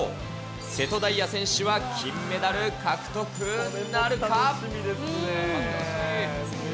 瀬戸大也選手は金メダル獲得なるか。